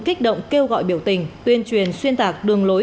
kích động kêu gọi biểu tình tuyên truyền xuyên tạc đường lối